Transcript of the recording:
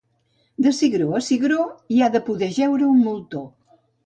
De cigró a cigró, hi ha de poder jeure un moltó.